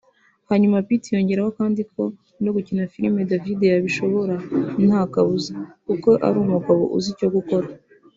Hanyuma Pitt yongeraho kandi ko no gukina filime David yabishobora nta kabuza kuko ari umugabo uzi icyo gukora